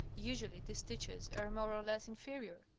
Usually these teachers are more or less inferior.